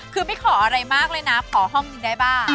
คือไม่ขออะไรมากเลยนะขอห้องหนึ่งได้บ้าง